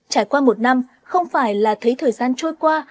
trải qua một năm không phải là thấy thời gian trôi qua